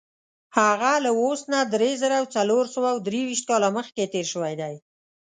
هغه له اوس نه دری زره څلور سوه درویشت کاله مخکې تېر شوی دی.